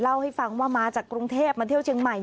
เล่าให้ฟังว่ามาจากกรุงเทพมาเที่ยวเชียงใหม่